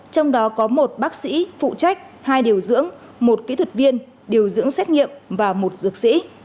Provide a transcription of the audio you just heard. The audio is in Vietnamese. trong đó có một bác sĩ phụ trách hai điều dưỡng một kỹ thuật viên điều dưỡng xét nghiệm và một dược sĩ